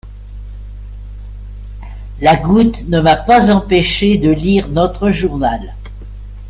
La goutte ne m'a pas empêché de lire notre journal.